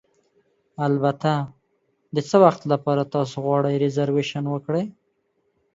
البته، د څه وخت لپاره تاسو غواړئ ریزرویشن وکړئ؟